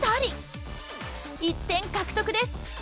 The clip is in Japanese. １点獲得です。